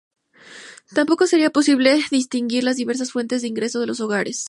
Tampoco sería posible distinguir las diversas fuentes de ingreso de los hogares.